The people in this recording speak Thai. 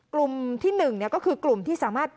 กลุ่มที่๑ก็คือกลุ่มที่สามารถ